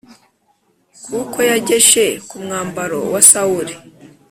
kuko yageshe ku mwambaro wa Sawuli.